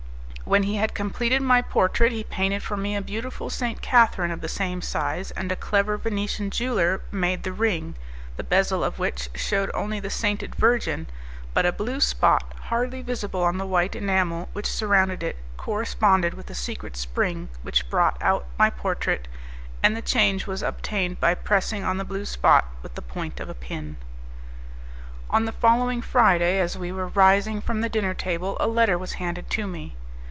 When he had completed my portrait he painted for me a beautiful St. Catherine of the same size, and a clever Venetian jeweller made the ring, the bezel of which shewed only the sainted virgin; but a blue spot, hardly visible on the white enamel which surrounded it, corresponded with the secret spring which brought out my portrait, and the change was obtained by pressing on the blue spot with the point of a pin. On the following Friday, as we were rising from the dinner table, a letter was handed to me.